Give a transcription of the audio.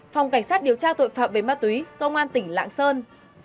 phòng cảnh sát điều tra tội phạm về ma túy công an tỉnh lạng sơn